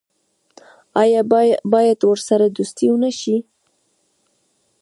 آیا باید ورسره دوستي ونشي؟